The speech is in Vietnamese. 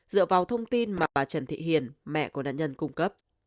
dựa vào thông tin mà trần thị hiền mẹ của nạn nhân cung cấp